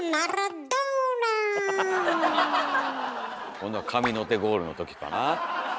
今度は神の手ゴールの時かな？